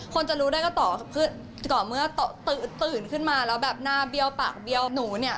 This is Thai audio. คนจะรู้ได้ก็ต่อคือต่อเมื่อตื่นขึ้นมาแล้วแบบหน้าเบี้ยวปากเบี้ยวหนูเนี่ย